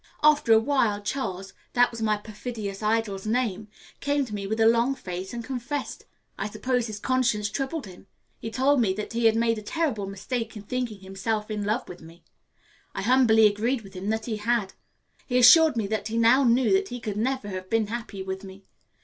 After a while Charles, that was my perfidious idol's name, came to me with a long face and confessed. I suppose his conscience troubled him. He told me that he had made a terrible mistake in thinking himself in love with me. I humbly agreed with him that he had. He assured me that he now knew that he could never have been happy with me.